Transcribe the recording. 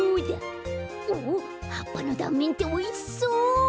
おはっぱのだんめんっておいしそう！